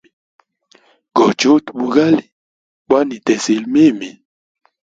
Gochuta bugali bwa nitesile mimi.